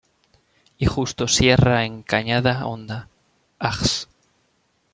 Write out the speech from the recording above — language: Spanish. Y Justo Sierra en Cañada Honda, Ags.